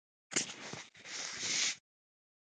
پر مختلفو موضوعاتو مو بحث کاوه.